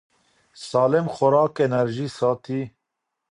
سالم خوراک انرژي ساتي.